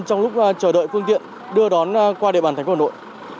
trong lúc chờ đợi phương tiện đưa đón qua địa bàn thành phố hà nội